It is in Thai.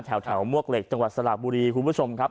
แถวมวกเหล็กจังหวัดสระบุรีคุณผู้ชมครับ